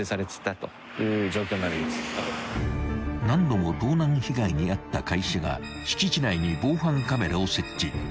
［何度も盗難被害に遭った会社が敷地内に防犯カメラを設置］